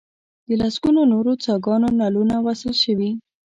د لسګونو نورو څاګانو نلونه وصل شوي.